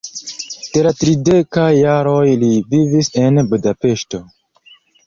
De la tridekaj jaroj li vivis en Budapeŝto.